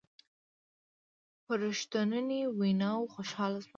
په رښتنوني ویناوو خوشحاله شوم.